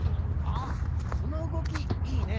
あっそのうごきいいね。